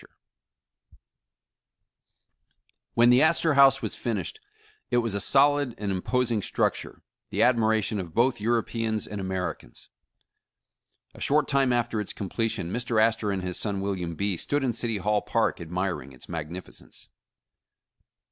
03 <U O *<4^ «*♦ Homes and Neighbors When the Astor House was finished, it was a solid and imposing structure, the admiration of both Euro peans and Americans. A short time after its completion Mr. Astor and his son, William B., stood in City Hall Park admiring its magnificence.